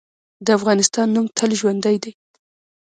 د افغانستان نوم تل ژوندی دی.